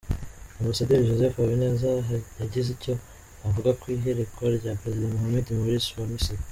Ambasaderi Joseph Habineza yagize icyo avuga kw’ihirikwa rya Perezida Mohammed Morsi wa Misiri.